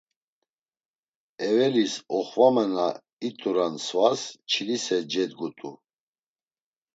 Evelis oxvame na it̆uran svas çilise cedgut̆u.